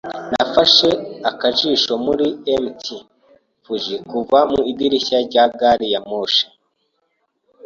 Nafashe akajisho kuri Mt. Fuji kuva mu idirishya rya gari ya moshi.